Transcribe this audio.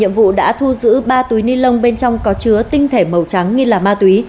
nhiệm vụ đã thu giữ ba túi ni lông bên trong có chứa tinh thể màu trắng nghi là ma túy